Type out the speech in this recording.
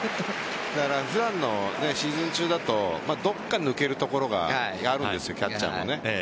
普段のシーズン中だとどこか抜けるところがあるんですよ、キャッチャーも。